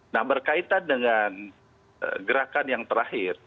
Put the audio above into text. nah berkaitan dengan gerakan yang terakhir